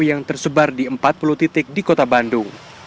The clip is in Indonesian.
yang tersebar di empat puluh titik di kota bandung